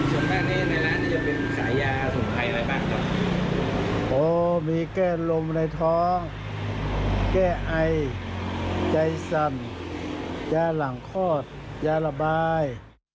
โหมีแก้ลมในท้องแก้ไอใจสั่นแย่หลังคลอดแย่ระบาย